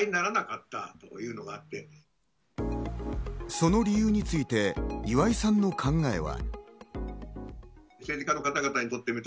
その理由について岩井さんの考えは。